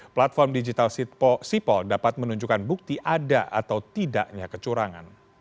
platform digital sipol dapat menunjukkan bukti ada atau tidaknya kecurangan